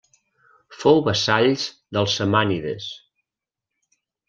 Fou vassalls dels samànides.